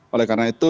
oleh karena itu